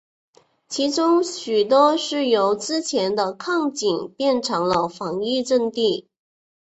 其中许多是由之前的矿井变成了防御阵地。